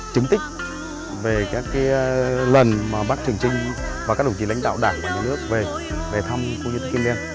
trứng tích về các cái lần mà bác trường trinh và các đồng chí lãnh đạo đảng và nhà nước về thăm khu di tích kim liên